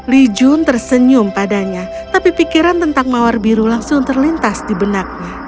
li jun tersenyum padanya tapi pikiran tentang mawar biru langsung terlintas di benaknya